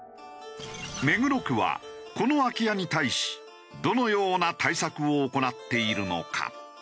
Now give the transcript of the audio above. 目黒区はこの空き家に対しどのような対策を行っているのか？